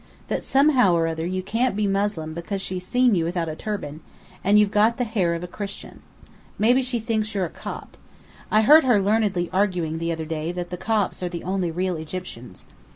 That somehow or other you can't be Moslem because she's seen you without a turban, and you've got the hair of a Christian. Maybe she thinks you're a Copt. I heard her learnedly arguing the other day that the Copts are the only real Egyptians.